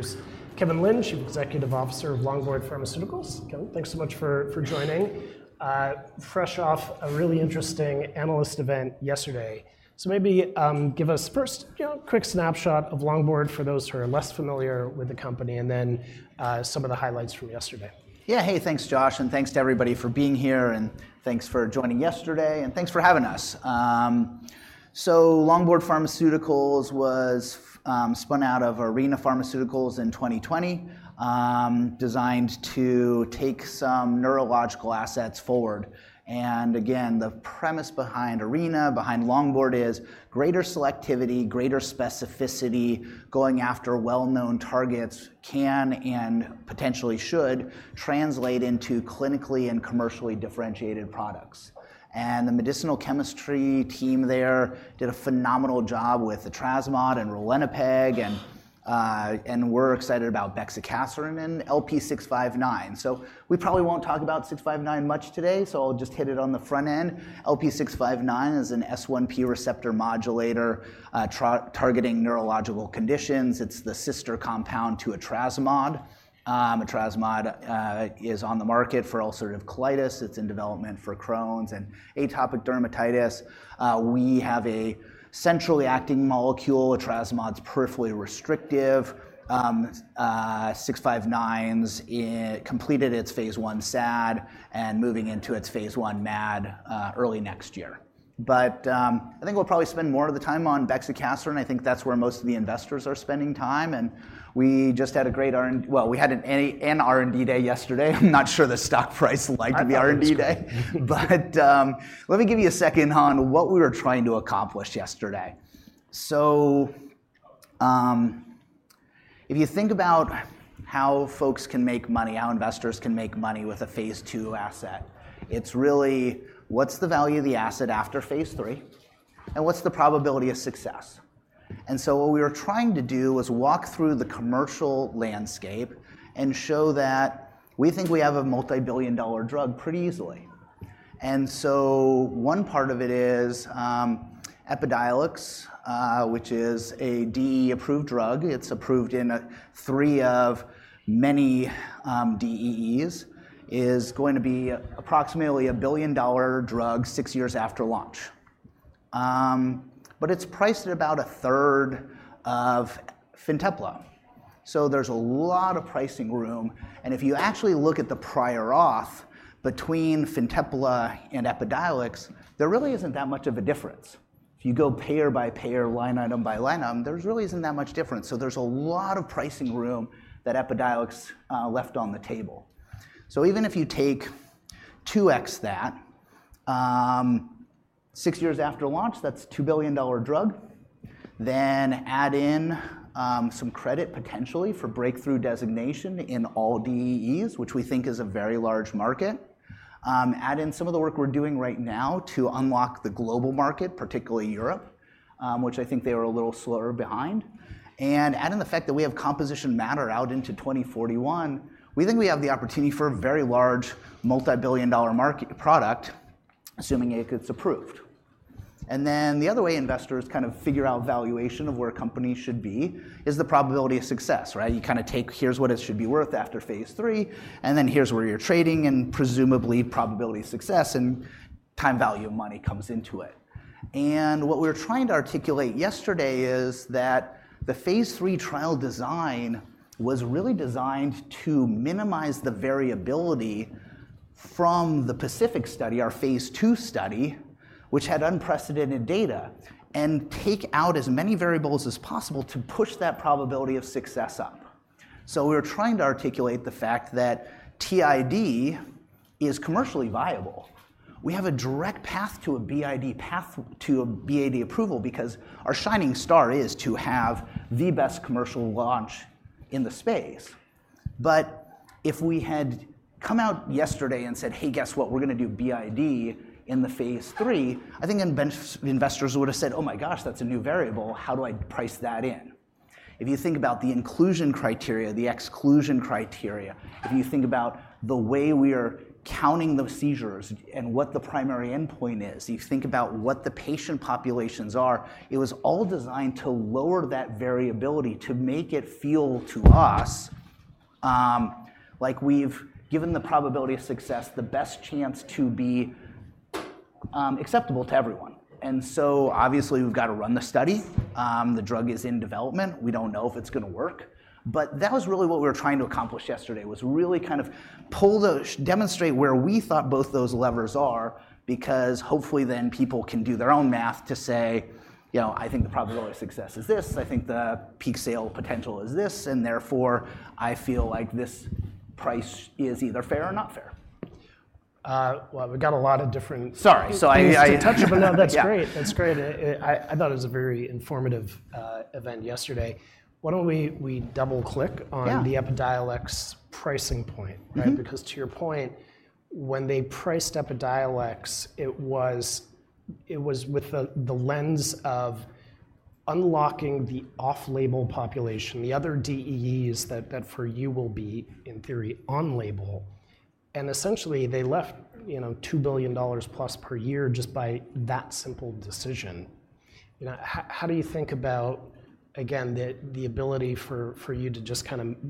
Introduce Kevin Lind, Chief Executive Officer of Longboard Pharmaceuticals. Kevin, thanks so much for joining. Fresh off a really interesting analyst event yesterday. So maybe give us first, you know, a quick snapshot of Longboard for those who are less familiar with the company, and then some of the highlights from yesterday. Yeah. Hey, thanks, Josh, and thanks to everybody for being here, and thanks for joining yesterday, and thanks for having us. So Longboard Pharmaceuticals was spun out of Arena Pharmaceuticals in 2020, designed to take some neurological assets forward. The premise behind Arena, behind Longboard is greater selectivity, greater specificity. Going after well-known targets can, and potentially should, translate into clinically and commercially differentiated products. The medicinal chemistry team there did a phenomenal job with etrasimod and ralinepag, and we're excited about bexicaserin and LP659. So we probably won't talk about 659 much today, so I'll just hit it on the front end. LP659 is an S1P receptor modulator, targeting neurological conditions. It's the sister compound to etrasimod. Etrasimod is on the market for ulcerative colitis. It's in development for Crohn's and atopic dermatitis. We have a centrally acting molecule. Etrasimod is peripherally restrictive. 659's completed its phase I SAD, and moving into its phase I MAD early next year. But, I think we'll probably spend more of the time on bexicaserin, and I think that's where most of the investors are spending time, and we just had a great R&D day yesterday. I'm not sure the stock price liked the R&D day. I thought it was great. But, let me give you a second on what we were trying to accomplish yesterday. So, if you think about how folks can make money, how investors can make money with a phase II asset, it's really, what's the value of the asset after phase three, and what's the probability of success? And so what we were trying to do was walk through the commercial landscape and show that we think we have a multi-billion-dollar drug pretty easily. And so one part of it is, Epidiolex, which is an FDA-approved drug. It's approved in three of many DEEs, is going to be approximately a billion-dollar drug six years after launch. But it's priced at about 1/3 of Fintepla, so there's a lot of pricing room, and if you actually look at the prior auth between Fintepla and Epidiolex, there really isn't that much of a difference. If you go payer by payer, line item by line item, there really isn't that much difference. So there's a lot of pricing room that Epidiolex left on the table. So even if you take 2X that, six years after launch, that's a $2 billion drug. Then add in some credit potentially for breakthrough designation in all DEEs, which we think is a very large market. Add in some of the work we're doing right now to unlock the global market, particularly Europe, which I think they were a little slower behind. Add in the fact that we have composition of matter out into 2041. We think we have the opportunity for a very large multi-billion-dollar market product, assuming it gets approved. The other way investors kind of figure out valuation of where a company should be is the probability of success, right? You kinda take, here's what it should be worth after phase III, and then here's where you're trading, and presumably, probability of success and time value of money comes into it. What we were trying to articulate yesterday is that the phase III trial design was really designed to minimize the variability from the PACIFIC Study, our phase II study, which had unprecedented data, and take out as many variables as possible to push that probability of success up. We were trying to articulate the fact that TID is commercially viable. We have a direct path to a BID path, to an BID approval, because our shining star is to have the best commercial launch in the space. But if we had come out yesterday and said, "Hey, guess what? We're gonna do BID in the phase III," I think investors would have said, "Oh, my gosh, that's a new variable. How do I price that in?" If you think about the inclusion criteria, the exclusion criteria, if you think about the way we are counting the seizures and what the primary endpoint is, you think about what the patient populations are, it was all designed to lower that variability, to make it feel to us like we've given the probability of success, the best chance to be acceptable to everyone. And so obviously, we've got to run the study. The drug is in development. We don't know if it's gonna work, but that was really what we were trying to accomplish yesterday, was really kind of demonstrate where we thought both those levers are, because hopefully then people can do their own math to say, "You know, I think the probability of success is this. I think the peak sale potential is this, and therefore, I feel like this price is either fair or not fair." We've got a lot of different. Sorry, so I. Things to touch on, but no, that's great. Yeah. That's great. I thought it was a very informative event yesterday. Why don't we double-click on. Yeah. The Epidiolex pricing point? Mm-hmm. Right? Because to your point, when they priced Epidiolex, it was with the lens of unlocking the off-label population, the other DEEs that for you will be, in theory, on label. Essentially, they left, you know, $2 billion+ per year just by that simple decision. You know, how do you think about, again, the ability for you to just kind of maybe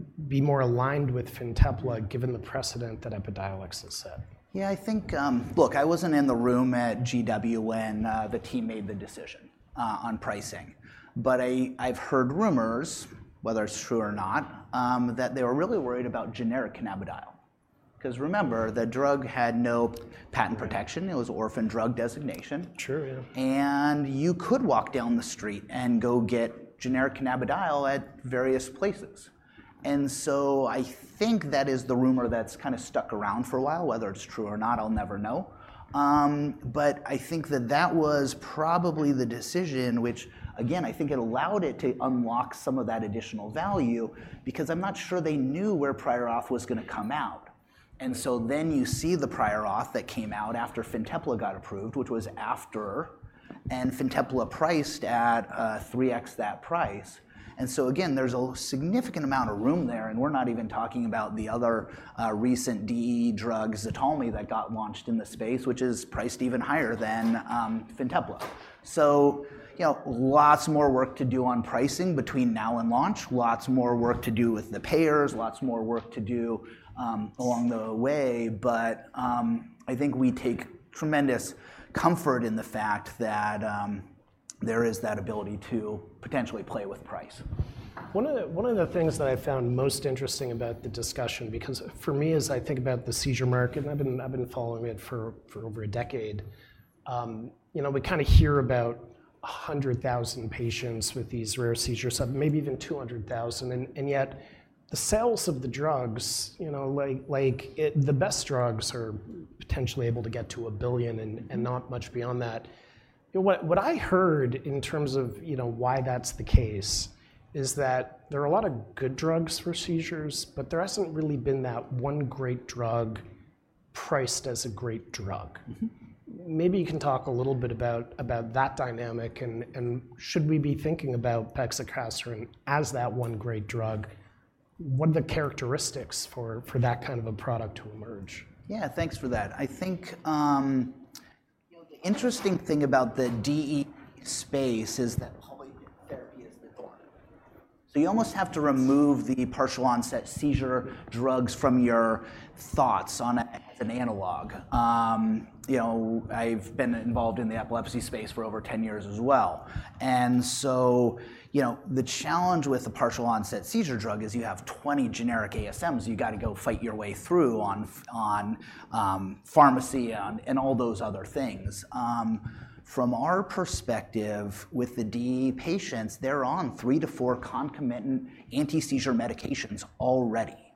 be more aligned with Fintepla, given the precedent that Epidiolex has set? Yeah, I think. Look, I wasn't in the room at GW when the team made the decision on pricing, but I, I've heard rumors, whether it's true or not, that they were really worried about generic cannabidiol. 'Cause remember, the drug had no patent protection. It was orphan drug designation. Sure, yeah. You could walk down the street and go get generic cannabidiol at various places. So I think that is the rumor that's kind of stuck around for a while. Whether it's true or not, I'll never know. I think that that was probably the decision which, again, I think it allowed it to unlock some of that additional value, because I'm not sure they knew where prior auth was gonna come out. And so then you see the prior auth that came out after Fintepla got approved, which was after, and Fintepla priced at three X that price. And so again, there's a significant amount of room there, and we're not even talking about the other recent DEE drugs, ZTALMY, that got launched in the space, which is priced even higher than Fintepla. So you know, lots more work to do on pricing between now and launch. Lots more work to do with the payers, lots more work to do along the way, but I think we take tremendous comfort in the fact that there is that ability to potentially play with price. One of the things that I found most interesting about the discussion. Because for me, as I think about the seizure market, and I've been following it for over a decade, you know, we kinda hear about 100,000 patients with these rare seizures, so maybe even 200,000, and yet the sales of the drugs, you know, like, the best drugs are potentially able to get to a billion and not much beyond that. What I heard in terms of, you know, why that's the case, is that there are a lot of good drugs for seizures, but there hasn't really been that one great drug priced as a great drug. Mm-hmm. Maybe you can talk a little bit about that dynamic, and should we be thinking about bexicaserin as that one great drug? What are the characteristics for that kind of a product to emerge? Yeah, thanks for that. I think, you know, the interesting thing about the DE space is that polytherapy is the norm. So you almost have to remove the partial onset seizure drugs from your thoughts on as an analog. You know, I've been involved in the epilepsy space for over 10 years as well. And so, you know, the challenge with the partial onset seizure drug is you have 20 generic ASMs you've gotta go fight your way through on pharmacy and, and all those other things. From our perspective with the DE patients, they're on three to four concomitant anti-seizure medications already.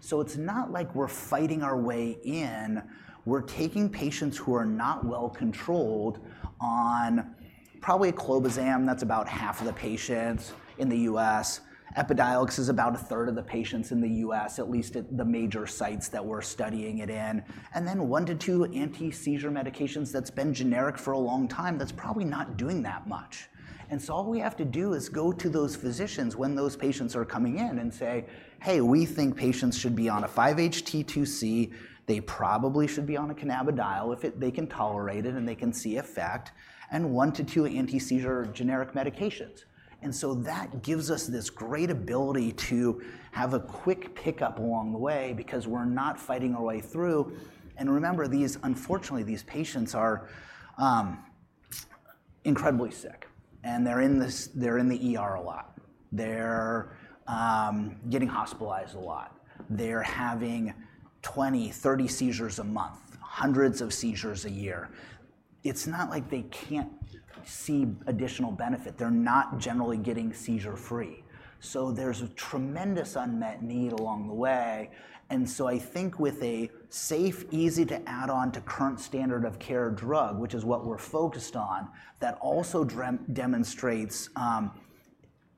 So it's not like we're fighting our way in. We're taking patients who are not well-controlled on probably clobazam, that's about half of the patients in the U.S. Epidiolex is about 1/3 of the patients in the U.S., at least at the major sites that we're studying it in. And then one to two anti-seizure medications that's been generic for a long time, that's probably not doing that much. And so all we have to do is go to those physicians when those patients are coming in and say. "Hey, we think patients should be on a 5-HT2C. They probably should be on a cannabidiol, if it- they can tolerate it, and they can see effect, and one to two anti-seizure generic medications." And so that gives us this great ability to have a quick pickup along the way because we're not fighting our way through. And remember, these unfortunately these patients are incredibly sick, and they're in this- they're in the ER a lot. They're getting hospitalized a lot. They're having 20, 30 seizures a month, hundreds of seizures a year. It's not like they can't see additional benefit. They're not generally getting seizure-free. So there's a tremendous unmet need along the way. And so I think with a safe, easy to add on to current standard of care drug, which is what we're focused on, that also demonstrates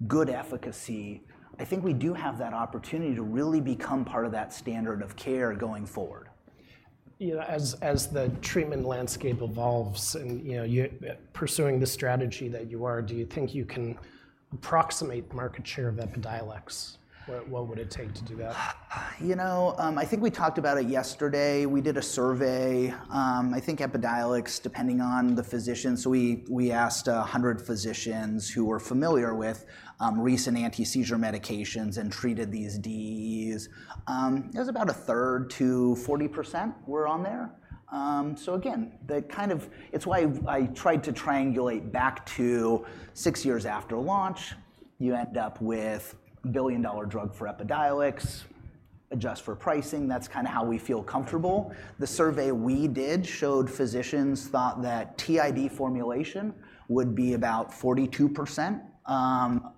good efficacy, I think we do have that opportunity to really become part of that standard of care going forward. You know, as the treatment landscape evolves and, you know, you're pursuing the strategy that you are, do you think you can approximate market share of Epidiolex? What would it take to do that? You know, I think we talked about it yesterday. We did a survey. I think Epidiolex, depending on the physician. So we asked 100 physicians who were familiar with recent anti-seizure medications and treated these DEEs. It was about 1/3 to 40% were on there. So again, they kind of... It's why I tried to triangulate back to six years after launch, you end up with a $1 billion drug for Epidiolex. Adjust for pricing, that's kind of how we feel comfortable. The survey we did showed physicians thought that TID formulation would be about 42%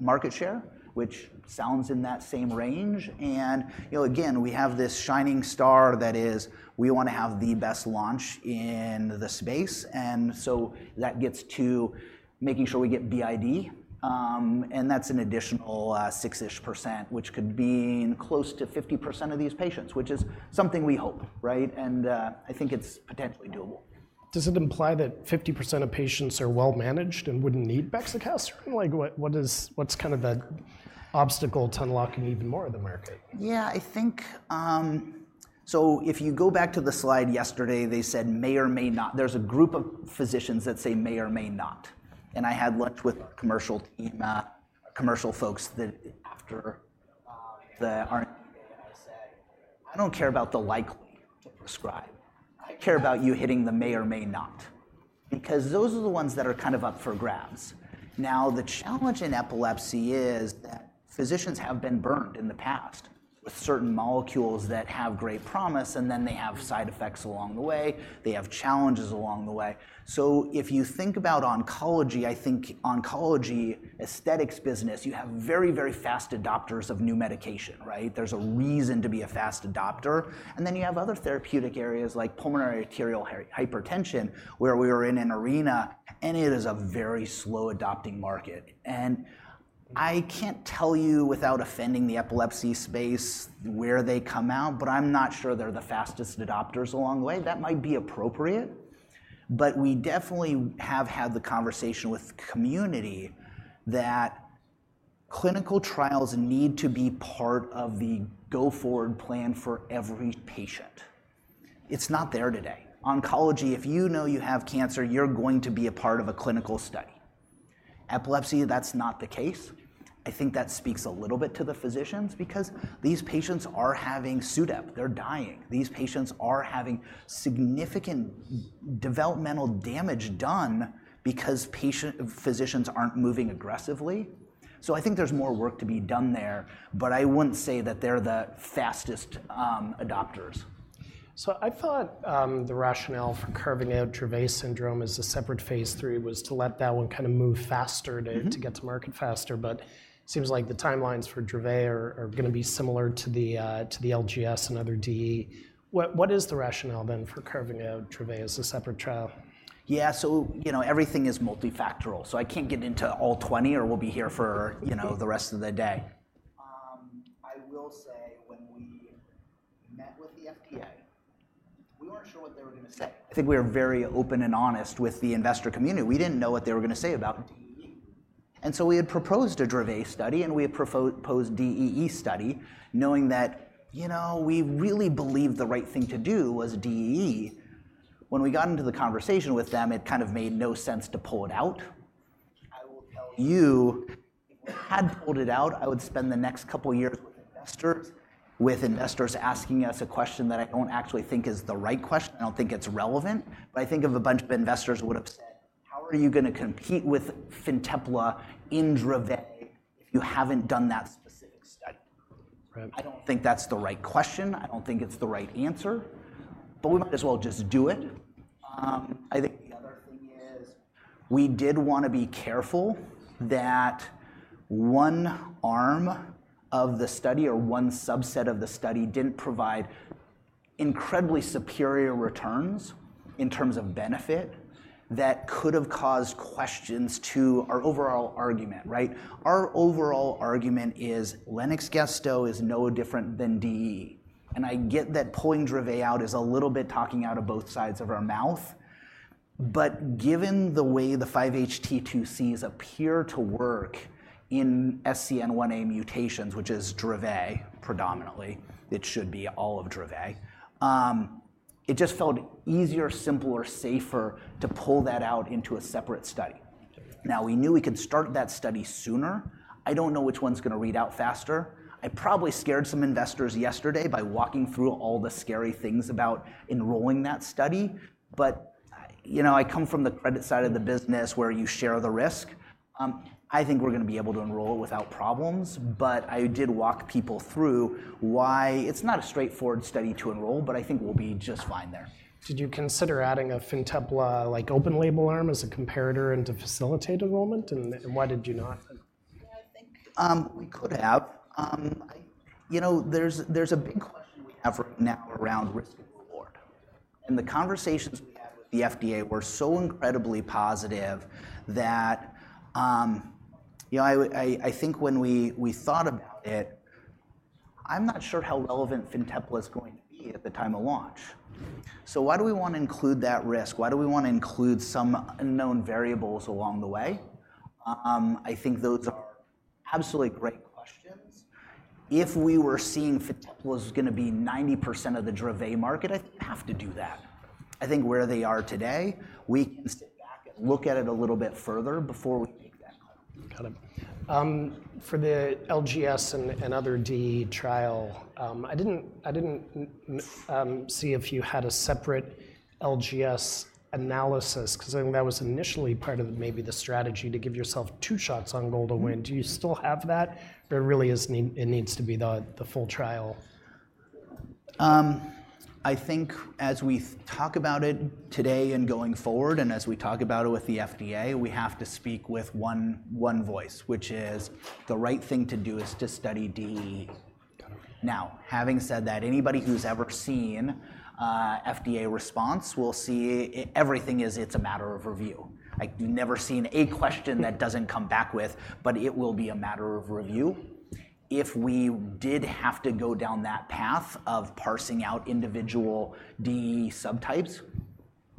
market share, which sounds in that same range. You know, again, we have this shining star that is, we wanna have the best launch in the space, and so that gets to making sure we get BID. And that's an additional six-ish %, which could mean close to 50% of these patients, which is something we hope, right? And I think it's potentially doable. Does it imply that 50% of patients are well managed and wouldn't need bexicaserin? Like, what's the obstacle to unlocking even more of the market? Yeah, I think. So if you go back to the slide yesterday, they said may or may not. There's a group of physicians that say may or may not, and I had lunch with commercial team, commercial folks that after the say, "I don't care about the likely to prescribe. I care about you hitting the may or may not," because those are the ones that are kind of up for grabs. Now, the challenge in epilepsy is that physicians have been burned in the past with certain molecules that have great promise, and then they have side effects along the way, they have challenges along the way. So if you think about oncology, I think oncology, aesthetics business, you have very, very fast adopters of new medication, right? There's a reason to be a fast adopter. Then you have other therapeutic areas like pulmonary arterial hypertension, where we are in Arena, and it is a very slow adopting market. I can't tell you without offending the epilepsy space where they come out, but I'm not sure they're the fastest adopters along the way. That might be appropriate, but we definitely have had the conversation with community that clinical trials need to be part of the go-forward plan for every patient. It's not there today. Oncology, if you know you have cancer, you're going to be a part of a clinical study. Epilepsy, that's not the case. I think that speaks a little bit to the physicians because these patients are having SUDEP. They're dying. These patients are having significant developmental damage done because physicians aren't moving aggressively. I think there's more work to be done there, but I wouldn't say that they're the fastest adopters. I thought the rationale for carving out Dravet syndrome as a separate phase III was to let that one kind of move faster. Mm-hmm. To get to market faster, but seems like the timelines for Dravet are gonna be similar to the LGS and other DE. What is the rationale then for carving out Dravet as a separate trial? Yeah, so, you know, everything is multifactorial, so I can't get into all twenty or we'll be here for, you know, the rest of the day. I will say, when we met with the FDA, we weren't sure what they were gonna say. I think we were very open and honest with the investor community. We didn't know what they were gonna say about DE. And so we had proposed a Dravet study, and we had proposed DEE study, knowing that, you know, we really believed the right thing to do was DEE. When we got into the conversation with them, it kind of made no sense to pull it out. I will tell you, if I had pulled it out, I would spend the next couple of years with investors, with investors asking us a question that I don't actually think is the right question. I don't think it's relevant, but I think of a bunch of investors would've said, "How are you gonna compete with Fintepla in Dravet if you haven't done that specific study?" Right. I don't think that's the right question. I don't think it's the right answer, but we might as well just do it. I think the other thing is, we did wanna be careful that one arm of the study or one subset of the study didn't provide incredibly superior returns in terms of benefit that could have caused questions to our overall argument, right? Our overall argument is Lennox-Gastaut is no different than DEE. And I get that pulling Dravet out is a little bit talking out of both sides of our mouth, but given the way the 5-HT2C appear to work in SCN1A mutations, which is Dravet, predominantly, it should be all of Dravet. It just felt easier, simpler, safer, to pull that out into a separate study. Now, we knew we could start that study sooner. I don't know which one's gonna read out faster. I probably scared some investors yesterday by walking through all the scary things about enrolling that study, but, you know, I come from the credit side of the business, where you share the risk. I think we're gonna be able to enroll without problems, but I did walk people through why it's not a straightforward study to enroll, but I think we'll be just fine there. Did you consider adding a Fintepla, like, open-label arm as a comparator and to facilitate enrollment, and, and why did you not? Yeah, I think. We could have. You know, there's a big question we have right now around risk and reward. The conversations we had with the FDA were so incredibly positive that, you know, I think when we thought about it, I'm not sure how relevant Fintepla is going to be at the time of launch. So why do we want to include that risk? Why do we want to include some unknown variables along the way? I think those are absolutely great questions. If we were seeing Fintepla was gonna be 90% of the Dravet market, I'd have to do that. I think where they are today, we can sit back and look at it a little bit further before we make that call. Got it. For the LGS and other DEE trial, I didn't see if you had a separate LGS analysis, 'cause I think that was initially part of maybe the strategy to give yourself two shots on goal to win. Do you still have that? There really is need. It needs to be the full trial. I think as we talk about it today and going forward, and as we talk about it with the FDA, we have to speak with one voice, which is the right thing to do, is to study DEE. Got it. Now, having said that, anybody who's ever seen FDA response will see everything is it's a matter of review. Like, you've never seen a question that doesn't come back with, "But it will be a matter of review." If we did have to go down that path of parsing out individual DEE subtypes,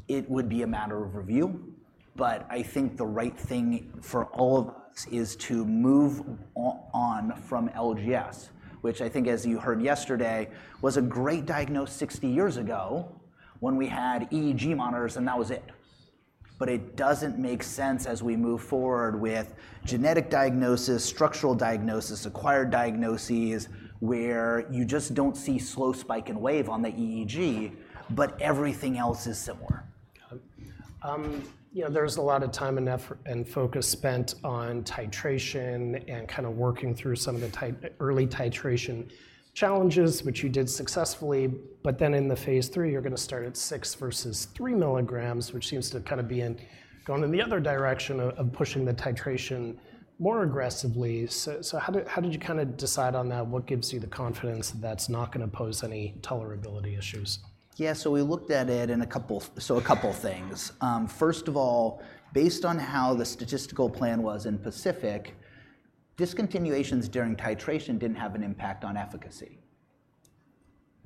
it would be a matter of review, but I think the right thing for all of us is to move on from LGS, which I think, as you heard yesterday, was a great diagnosis 60 years ago when we had EEG monitors, and that was it. But it doesn't make sense as we move forward with genetic diagnosis, structural diagnosis, acquired diagnoses, where you just don't see slow spike and wave on the EEG, but everything else is similar. Got it. You know, there's a lot of time and effort and focus spent on titration and kind of working through some of the early titration challenges, which you did successfully. But then in the phase three, you're gonna start at six versus three milligrams, which seems to kind of be going in the other direction of pushing the titration more aggressively. So how did you kinda decide on that? What gives you the confidence that's not gonna pose any tolerability issues? Yeah, so we looked at it in a couple. So a couple things. First of all, based on how the statistical plan was in PACIFIC, discontinuations during titration didn't have an impact on efficacy.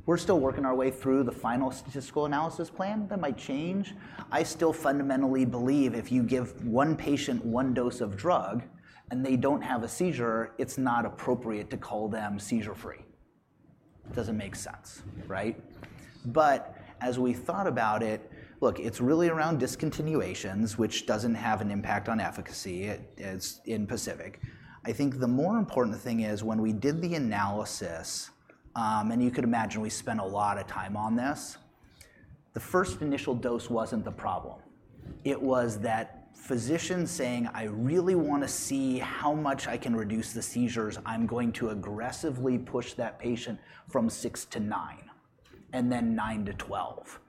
We're still working our way through the final statistical analysis plan. That might change. I still fundamentally believe if you give one patient one dose of drug and they don't have a seizure, it's not appropriate to call them seizure-free. It doesn't make sense, right? But as we thought about it. Look, it's really around discontinuations, which doesn't have an impact on efficacy. It's in PACIFIC. I think the more important thing is when we did the analysis, and you could imagine, we spent a lot of time on this, the first initial dose wasn't the problem. It was that physician saying, "I really wanna see how much I can reduce the seizures. I'm going to aggressively push that patient from six to nine, and then nine to 12."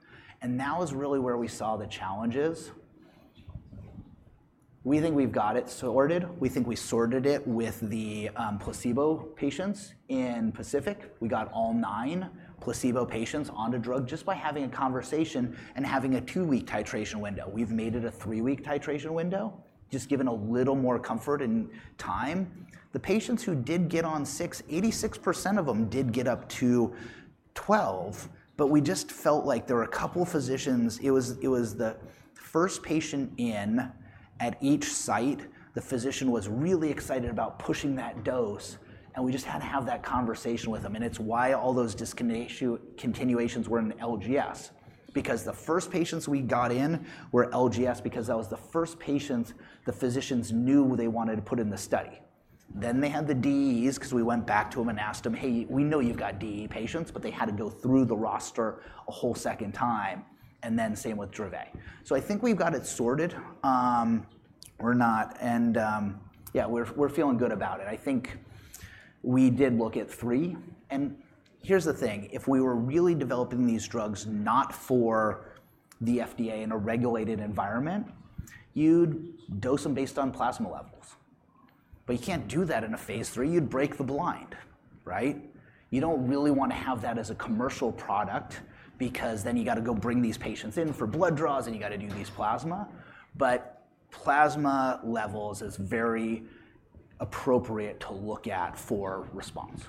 And that was really where we saw the challenges. We think we've got it sorted. We think we sorted it with the placebo patients in PACIFIC. We got all nine placebo patients onto drug just by having a conversation and having a two-week titration window. We've made it a three-week titration window, just giving a little more comfort and time. The patients who did get on six, 86% of them did get up to 12, but we just felt like there were a couple physicians. It was the first patient in at each site, the physician was really excited about pushing that dose, and we just had to have that conversation with them, and it's why all those discontinuations were in LGS. Because the first patients we got in were LGS, because that was the first patients the physicians knew they wanted to put in the study. Then they had the DEEs, 'cause we went back to them and asked them, "Hey, we know you've got DEE patients," but they had to go through the roster a whole second time, and then same with Dravet." So I think we've got it sorted, or not. And, yeah, we're feeling good about it. I think we did look at three, and here's the thing. If we were really developing these drugs not for the FDA in a regulated environment, you'd dose them based on plasma levels, but you can't do that in a phase three. You'd break the blind, right? You don't really want to have that as a commercial product because then you gotta go bring these patients in for blood draws, and you gotta do these plasma. But plasma levels is very appropriate to look at for response.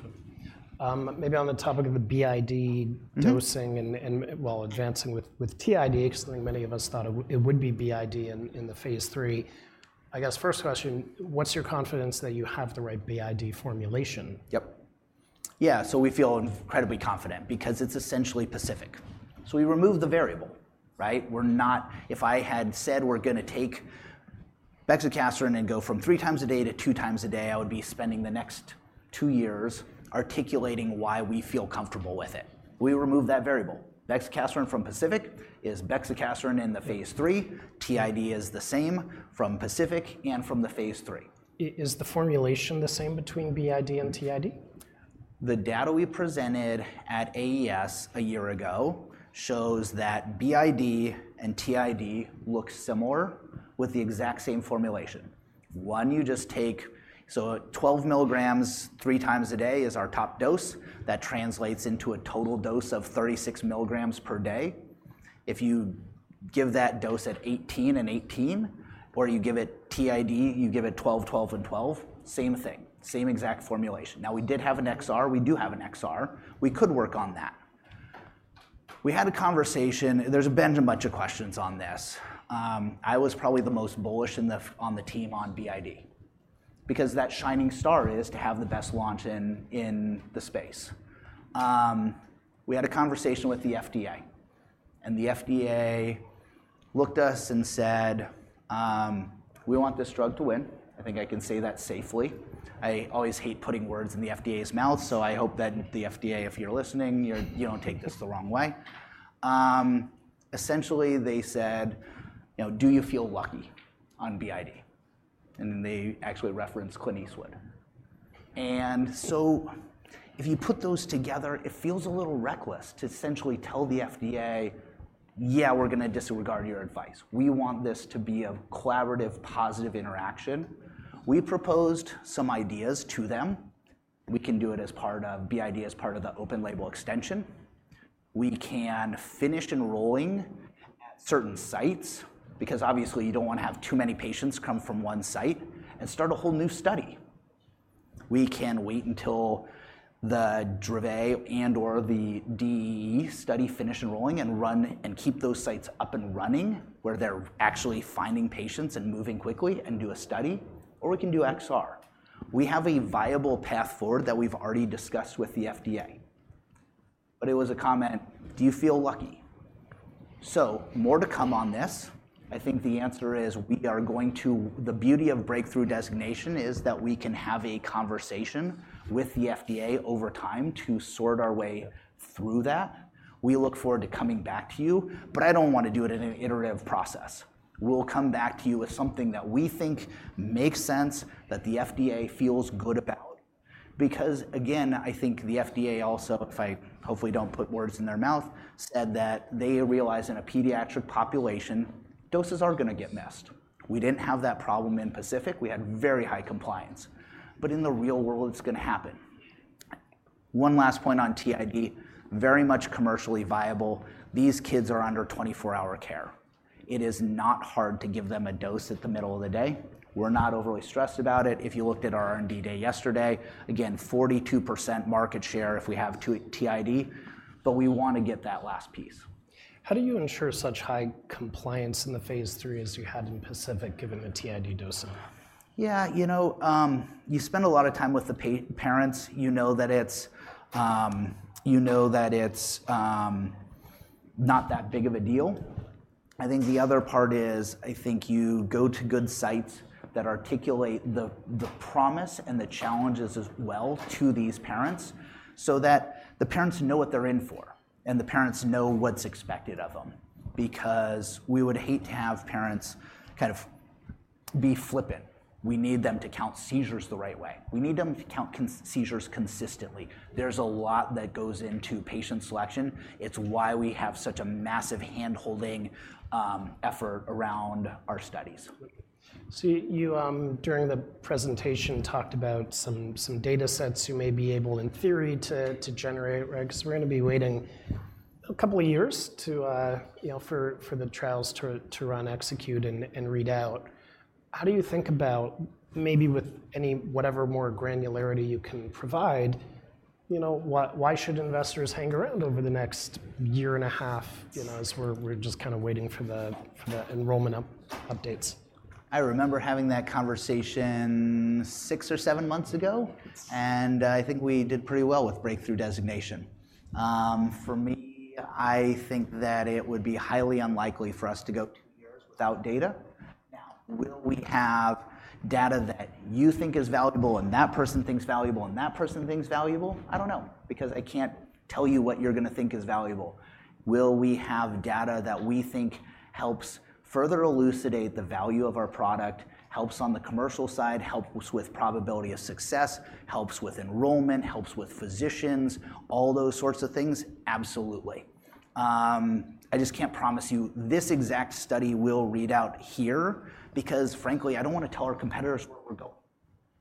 Maybe on the topic of the BID. Mm-hmm Dosing and while advancing with TID, because I think many of us thought it would be BID in the phase three. I guess, first question, what's your confidence that you have the right BID formulation? Yep. Yeah, so we feel incredibly confident because it's essentially PACIFIC. So we removed the variable, right? We're not. If I had said, we're gonna take bexicaserin and go from three times a day to two times a day, I would be spending the next two years articulating why we feel comfortable with it. We removed that variable. Bexicaserin from PACIFIC is bexicaserin in the phase III. TID is the same from PACIFIC and from the phase III. Is the formulation the same between BID and TID? The data we presented at AES a year ago shows that BID and TID look similar with the exact same formulation. One you just take. So 12 mg 3x a day is our top dose. That translates into a total dose of 36 mg per day. If you give that dose at 18 and 18, or you give it TID, you give it 12, 12 and 12, same thing, same exact formulation. Now, we did have an XR. We do have an XR. We could work on that. We had a conversation. There's been a bunch of questions on this. I was probably the most bullish in the, on the team on BID because that shining star is to have the best launch in, in the space. We had a conversation with the FDA, and the FDA looked at us and said, "We want this drug to win." I think I can say that safely. I always hate putting words in the FDA's mouth, so I hope that the FDA, if you're listening, you don't take this the wrong way. Essentially, they said, you know, "Do you feel lucky on BID?" And then they actually referenced Clint Eastwood. And so if you put those together, it feels a little reckless to essentially tell the FDA, "Yeah, we're gonna disregard your advice." We want this to be a collaborative, positive interaction. We proposed some ideas to them. We can do it as part of BID as part of the open-label extension. We can finish enrolling certain sites, because obviously you don't wanna have too many patients come from one site and start a whole new study. We can wait until the Dravet and or the DEE study finish enrolling and run and keep those sites up and running, where they're actually finding patients and moving quickly and do a study, or we can do XR. We have a viable path forward that we've already discussed with the FDA. But it was a comment, "Do you feel lucky?" So more to come on this. I think the answer is, we are going to. The beauty of breakthrough designation is that we can have a conversation with the FDA over time to sort our way through that. We look forward to coming back to you, but I don't want to do it in an iterative process. We'll come back to you with something that we think makes sense, that the FDA feels good about. Because, again, I think the FDA also, if I hopefully don't put words in their mouth, said that they realize in a pediatric population, doses are gonna get missed. We didn't have that problem in PACIFIC. We had very high compliance. But in the real world, it's gonna happen. One last point on TID, very much commercially viable. These kids are under 24-hour care. It is not hard to give them a dose at the middle of the day. We're not overly stressed about it. If you looked at our R&D day yesterday, again, 42% market share if we have two-TID, but we want to get that last piece. How do you ensure such high compliance in the phase three as you had in PACIFIC, given the TID dosing? Yeah, you know, you spend a lot of time with the parents. You know that it's not that big of a deal. I think the other part is, I think you go to good sites that articulate the promise and the challenges as well to these parents, so that the parents know what they're in for, and the parents know what's expected of them. Because we would hate to have parents kind of be flippant. We need them to count seizures the right way. We need them to count seizures consistently. There's a lot that goes into patient selection. It's why we have such a massive hand-holding effort around our studies. So you, during the presentation, talked about some data sets you may be able, in theory, to generate, right? Because we're gonna be waiting a couple of years to, you know, for the trials to run, execute, and read out. How do you think about maybe with any, whatever more granularity you can provide, you know, why should investors hang around over the next year and a half, you know, as we're just kinda waiting for the enrollment updates? I remember having that conversation six or seven months ago, and I think we did pretty well with breakthrough designation. For me, I think that it would be highly unlikely for us to go two years without data. Now, will we have data that you think is valuable, and that person thinks valuable, and that person thinks valuable? I don't know, because I can't tell you what you're gonna think is valuable. Will we have data that we think helps further elucidate the value of our product, helps on the commercial side, helps with probability of success, helps with enrollment, helps with physicians, all those sorts of things? Absolutely. I just can't promise you this exact study will read out here, because frankly, I don't want to tell our competitors where we're going.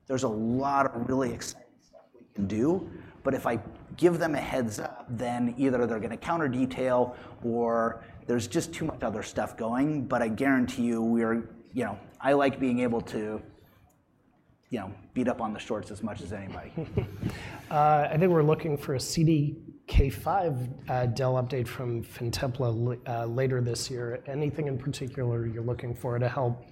There's a lot of really exciting stuff we can do, but if I give them a heads-up, then either they're gonna counter-detail or there's just too much other stuff going. But I guarantee you, we are, you know, I like being able to, you know, beat up on the shorts as much as anybody. I think we're looking for a CDKL5 [dell] update from Fintepla later this year. Anything in particular you're looking for to help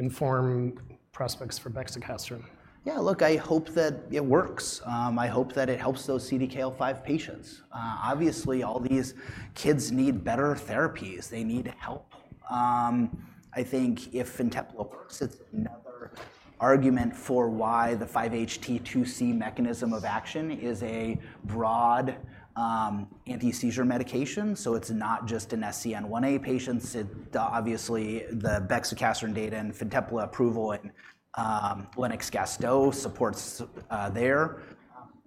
inform prospects for bexicaserin? Yeah, look, I hope that it works. I hope that it helps those CDKL5 patients. Obviously, all these kids need better therapies. They need help. I think if Fintepla works, it's another argument for why the 5-HT2C mechanism of action is a broad, anti-seizure medication. So it's not just in SCN1A patients. It, obviously, the bexicaserin data and Fintepla approval in, Lennox-Gastaut supports, there.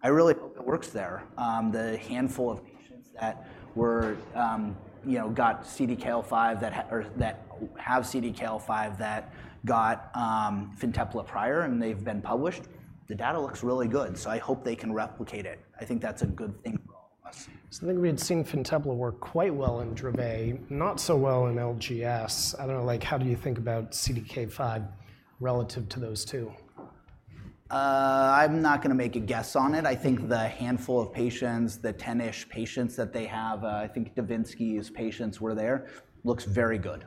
I really hope it works there. The handful of patients that were, you know, got CDKL5, or that have CDKL5, that got, Fintepla prior, and they've been published, the data looks really good, so I hope they can replicate it. I think that's a good thing for all of us. I think we had seen Fintepla work quite well in Dravet, not so well in LGS. I don't know, like, how do you think about CDKL5 relative to those two? I'm not gonna make a guess on it. I think the handful of patients, the ten-ish patients that they have, I think Devinsky's patients were there, looks very good.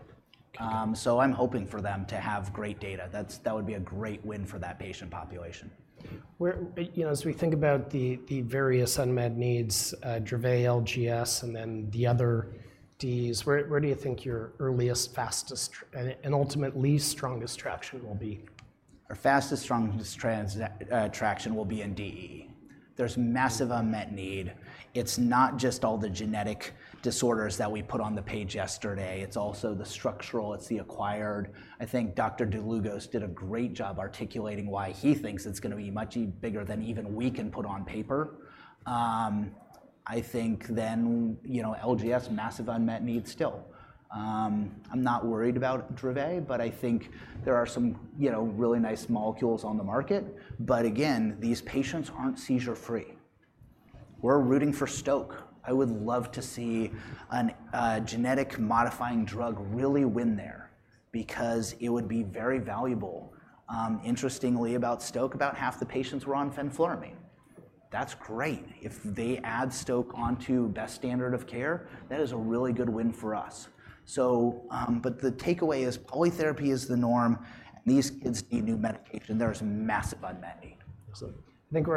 Okay. So, I'm hoping for them to have great data. That would be a great win for that patient population. Where... You know, as we think about the various unmet needs, Dravet, LGS, and then the other DEEs, where do you think your earliest, fastest, and ultimately strongest traction will be? Our fastest, strongest traction will be in DEE. There's massive unmet need. It's not just all the genetic disorders that we put on the page yesterday. It's also the structural, it's the acquired. I think Dr. Dlugos did a great job articulating why he thinks it's gonna be much bigger than even we can put on paper. I think then, you know, LGS, massive unmet needs still. I'm not worried about Dravet, but I think there are some, you know, really nice molecules on the market. But again, these patients aren't seizure-free. We're rooting for Stoke. I would love to see an genetic modifying drug really win there because it would be very valuable. Interestingly, about Stoke, about half the patients were on fenfluramine. That's great. If they add Stoke onto best standard of care, that is a really good win for us. The takeaway is polytherapy is the norm, and these kids need new medication. There is massive unmet need. Absolutely. I think we're.